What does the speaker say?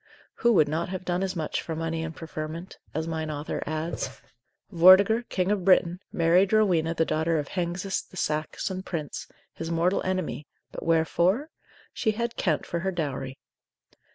Who would not have done as much for money and preferment? as mine author adds. Vortiger, King of Britain, married Rowena the daughter of Hengist the Saxon prince, his mortal enemy; but wherefore? she had Kent for her dowry.